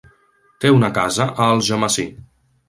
Té una casa a Algemesí.